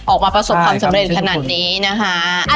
ประสบความสำเร็จขนาดนี้นะคะ